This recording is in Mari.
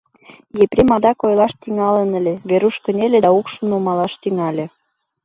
Епрем адак ойлаш тӱҥалын ыле — Веруш кынеле да укшым нумалаш тӱҥале.